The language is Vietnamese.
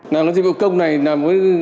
nói về dịch vụ công này là một